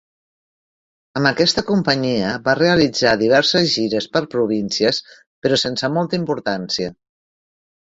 Amb aquesta companyia va realitzar diverses gires per províncies, però sense molta importància.